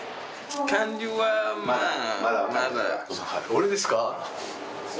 俺ですか？